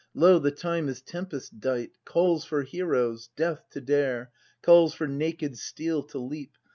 IjO, the Time is Tempest dight, Calls for heroes, death to dare. Calls for naked steel to leap.